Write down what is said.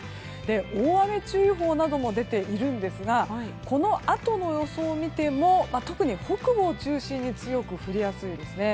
大雨注意報なども出ているんですがこのあとの予想を見ても特に北部を中心に強く降りやすいですね。